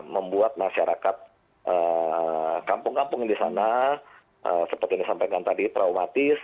membuat masyarakat kampung kampung di sana seperti yang disampaikan tadi traumatis